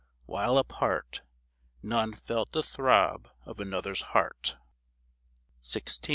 While apart None felt the throb of another's heart. XVI.